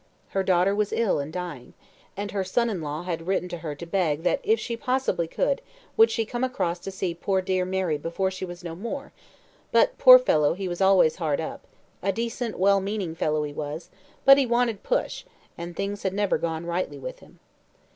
Her daughter was ill and dying, and her son in law had written to her to beg that if she possibly could she would come across to see poor dear Mary before she was no more; but, poor fellow, he was always hard up a decent well meaning fellow he was but he wanted push, and things had never gone rightly with him.